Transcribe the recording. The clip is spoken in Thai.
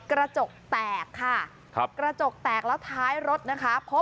กระจกแตกค่ะครับกระจกแตกแล้วท้ายรถนะคะพบ